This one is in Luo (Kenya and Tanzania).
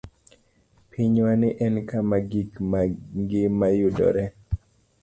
Pinywani en kama gik ma ngima yudoree.